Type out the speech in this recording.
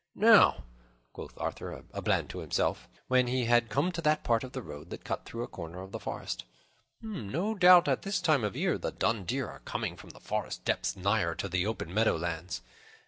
"Now," quoth Arthur a Bland to himself, when he had come to that part of the road that cut through a corner of the forest, "no doubt at this time of year the dun deer are coming from the forest depths nigher to the open meadow lands.